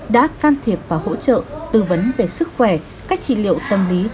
đã can thiệp và hỗ trợ tư vấn về sức khỏe cách trị liệu tâm lý